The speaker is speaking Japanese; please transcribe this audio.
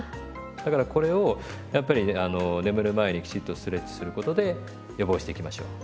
だからこれをやっぱり眠る前にきちっとストレッチすることで予防していきましょう。